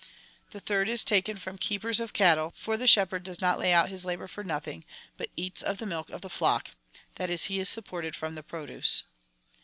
The third is taken from keepers of cattle, for the shepherd does not lay out his labour for nothing, but eats of the milk of the flock — that is, he is supported from the produce.